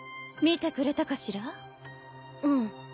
うん。